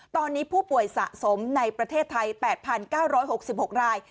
ตอนนี้ผู้ป่วยสะสมในประเทศไทย๘๙๖๖ราย